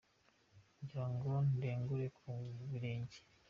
Ngira ngo ndengure ku birenge.